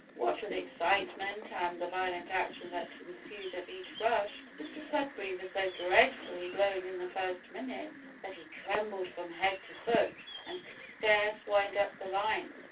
What with excitement and the violent action that ensued at each rush, Mr Sudberry was so dreadfully blown in the first minutes, that he trembled from head to foot, and could scarce wind up the line.